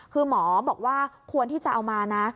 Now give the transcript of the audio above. คือหมอบอกว่าควรที่จะเอามานะ